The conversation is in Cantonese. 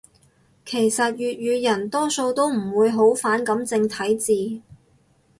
其實粵語人多數都唔會好反感正體字